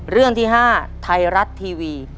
เรื่องที่๕ไทยรัฐทีวี